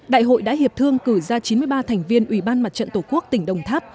đại hội đã hiệp thương cử ra chín mươi ba thành viên ủy ban mặt trận tổ quốc tỉnh đồng tháp